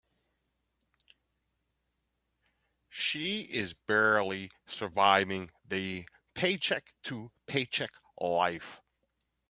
She is barely surviving the paycheck to paycheck life.